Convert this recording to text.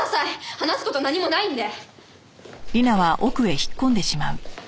話す事何もないんで。